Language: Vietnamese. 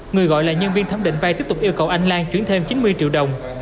người gọi là nhân viên thấm định vai tiếp tục yêu cầu anh lan chuyển thêm chín mươi triệu đồng